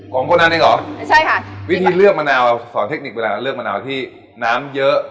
คนนั้นเองเหรอไม่ใช่ค่ะวิธีเลือกมะนาวสอนเทคนิคเวลาเลือกมะนาวที่น้ำเยอะ